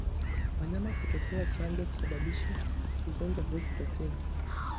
Wanyama kutokupewa chanjo husababisha ugonjwa huu kutokea